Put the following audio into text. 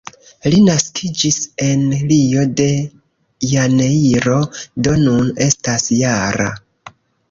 Li naskiĝis en Rio de Janeiro, do nun estas -jara.